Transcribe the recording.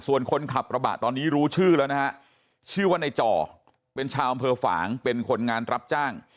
ส่วนคนขับกระบะตอนนี้รู้ชื่อแล้วนะฮะชื่อว่าในจ่อเป็นชาวอำเภอฝางเป็นคนงานรับจ้าง